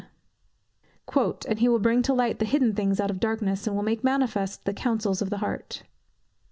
"And he will bring to light the hidden things of darkness, and will make manifest the counsels of the heart."